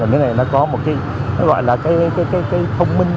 nó gọi là cái thông minh